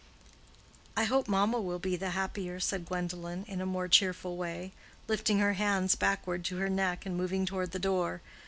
"I hope mamma will be the happier," said Gwendolen, in a more cheerful way, lifting her hands backward to her neck and moving toward the door.